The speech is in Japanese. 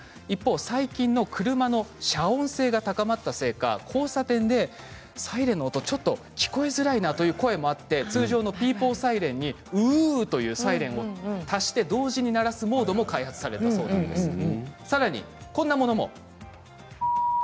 一方最近の車の遮音性が高まったせいか交差点でサイレンの音ちょっと聞こえづらいなという声もあって通常のピーポーサイレンにウーというサイレンを足して同時に鳴らすモードも開発されたそうです。